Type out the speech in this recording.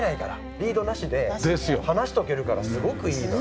リードなしで放しておけるからすごくいいなと。